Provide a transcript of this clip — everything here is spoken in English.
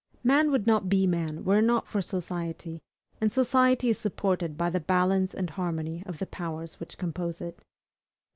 Man would not be man were it not for society, and society is supported by the balance and harmony of the powers which compose it.